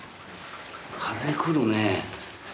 風来るね。